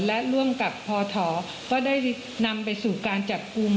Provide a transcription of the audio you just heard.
และร่วมกับพอถอก็ได้นำไปสู่การจับกลุ่ม